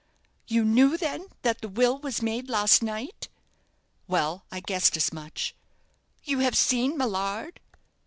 "You knew, then, that the will was made last night?" "Well, I guessed as much." "You have seen Millard?"